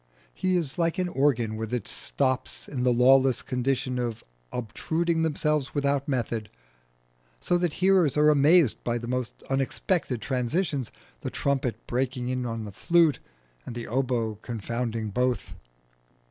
He is like an organ with its stops in the lawless condition of obtruding themselves without method, so that hearers are amazed by the most unexpected transitions the trumpet breaking in on the flute, and the oböe confounding both.